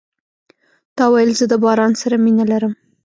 تا ویل زه د باران سره مینه لرم .